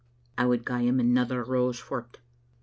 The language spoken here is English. " I would gie him another rose for't.